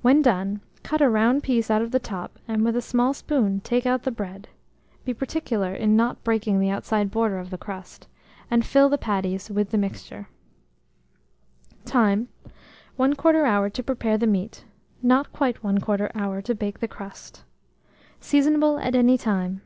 When done, cut a round piece out of the top, and, with a small spoon, take out the bread (be particular in not breaking the outside border of the crust), and fill the patties with the mixture. Time. 1/4 hour to prepare the meat; not quite 1/4 hour to bake the crust. Seasonable at any time.